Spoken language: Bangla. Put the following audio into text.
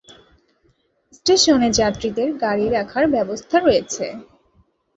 স্টেশনে যাত্রীদের গাড়ি রাখার ব্যবস্থা রয়েছে।